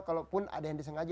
kalaupun ada yang disengaja